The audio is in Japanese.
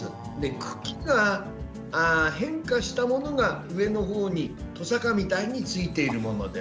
茎が変化したものが上のほうに、とさかみたいについているものです。